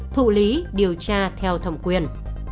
thụ lý điều tra theo thẩm quyền